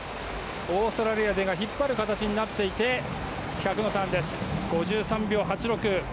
オーストラリア勢が引っ張る形で１００のターンは５３秒８６。